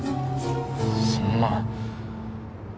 そんな。